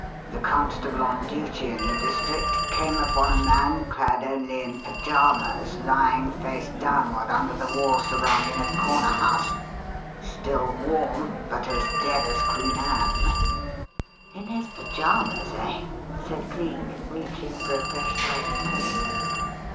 The constable on duty in the district came upon a man clad only in pajamas lying face downward under the wall surrounding a corner house still warm but as dead as Queen Anne." "In his pajamas, eh?" said Cleek, reaching for a fresh slice of toast.